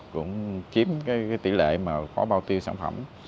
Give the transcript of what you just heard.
cũng chiếm cái tỷ lệ mà khó bao tiêu sản phẩm